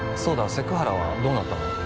セク原はどうなったの？